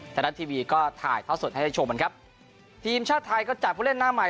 ไทยรัฐทีวีก็ถ่ายท่อสดให้ได้ชมกันครับทีมชาติไทยก็จัดผู้เล่นหน้าใหม่